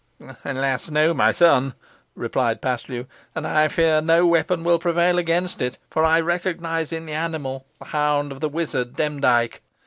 "Alas! no, my son," replied Paslew, "and I fear no weapon will prevail against it, for I recognise in the animal the hound of the wizard, Demdike."